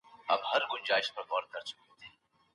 وني بې ګټي نه دي.